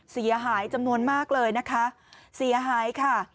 เสียหายจำนวนมากเลยนะคะเสียหายค่ะ